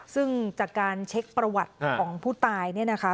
ซึ่งจากการเช็คประวัติของผู้ตายเนี่ยนะคะ